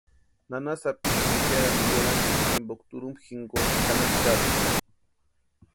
Nana sapichu piarasti werani jimpo turhumpa jinkoni chʼananchaxapka.